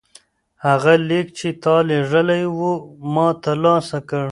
هغه لیک چې تا لیږلی و ما ترلاسه کړ.